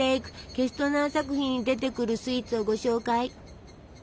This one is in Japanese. ケストナー作品に出てくるスイーツをご紹介。